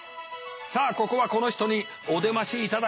さあここはこの人にお出ましいただきたい！